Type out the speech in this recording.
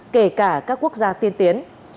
kể cả các quốc gia tiên tiến